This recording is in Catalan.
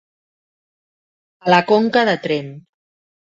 A la conca de Tremp.